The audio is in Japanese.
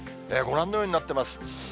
ご覧のようになってます。